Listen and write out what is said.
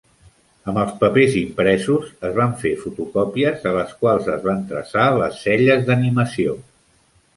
Amb els papers impresos, es van fer fotocòpies a les quals es van traçar les cel·les d"animació.